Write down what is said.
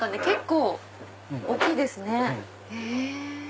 結構大きいですね。